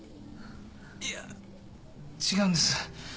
いや違うんです。